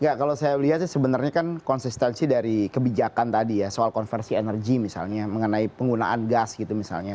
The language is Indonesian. ya kalau saya lihat sebenarnya kan konsistensi dari kebijakan tadi ya soal konversi energi misalnya mengenai penggunaan gas gitu misalnya